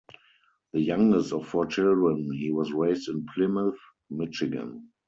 The youngest of four children, he was raised in Plymouth, Michigan.